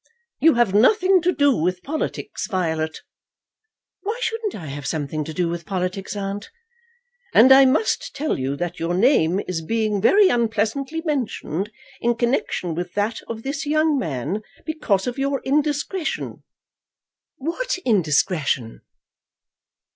"You have nothing to do with politics, Violet." "Why shouldn't I have something to do with politics, aunt?" "And I must tell you that your name is being very unpleasantly mentioned in connection with that of this young man because of your indiscretion." "What indiscretion?"